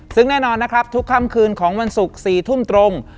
ซึ่งแน่นอนนะครับทุกค่ำคืนของวันศุกร์๔ทุ่มตรง